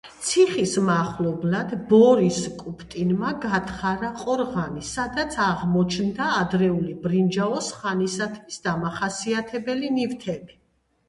ციხის მახლობლად ბორის კუფტინმა გათხარა ყორღანი, სადაც აღმოჩნდა ადრეული ბრინჯაოს ხანისათვის დამახასიათებელი ნივთები.